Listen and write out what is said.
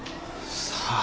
さあ。